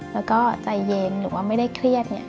แล้วก็ใจเย็นหรือว่าไม่ได้เครียด